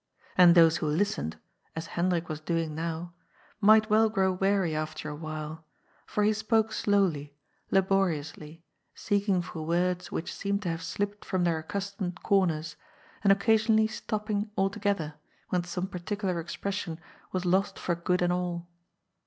And those who listened — ^as Hendrik was doing now — might well grow weary after a while — ^for he spoke slowly, laboriously, seeking for words which seemed to have slipped from their accustomed cor ners, and occasionally stopping altogether, when some par ticular expression was lost for good and alL HENDRIK LOSSELL'S FIRST STEP.